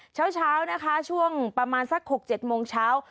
เช้านะคะช่วงประมาณสัก๖๗โมงเช้า